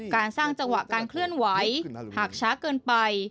การสร้างจังหวะการเคลื่อนไหวหากช้าเกินไป